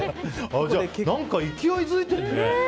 何か勢いづいてるね。